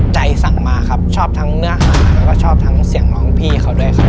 สั่งมาครับชอบทั้งเนื้อหาแล้วก็ชอบทั้งเสียงน้องพี่เขาด้วยครับ